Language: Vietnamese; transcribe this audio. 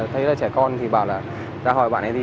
thấy là trẻ con thì bảo là ra hỏi bạn ấy đi